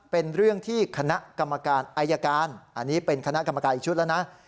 เป็นเรื่องที่คณะกรรมการอายการอันนี้เป็นคณะกรรมการอีกชุดแล้วนะ